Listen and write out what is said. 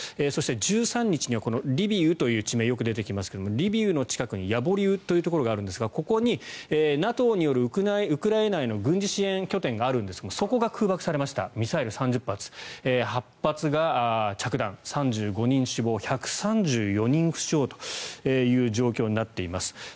そして、１３日にはリビウという地名がよく出てきますがリビウの近くにヤボリウというところがあるんですがここにＮＡＴＯによるウクライナへの軍事支援拠点があるんですがそこが空爆されましたミサイル３０発８発が着弾、３５人死亡１３４人負傷という状況になっています。